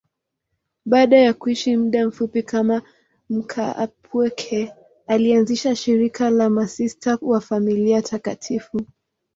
Baada ya kuishi muda mfupi kama mkaapweke, alianzisha shirika la Masista wa Familia Takatifu.